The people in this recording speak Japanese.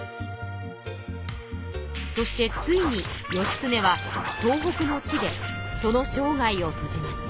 そしてついに義経は東北の地でそのしょうがいをとじます。